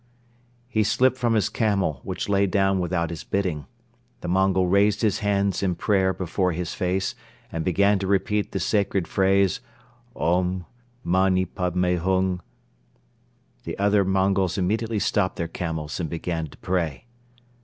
He slipped from his camel which lay down without his bidding. The Mongol raised his hands in prayer before his face and began to repeat the sacred phrase: "Om! Mani padme Hung!" The other Mongols immediately stopped their camels and began to pray.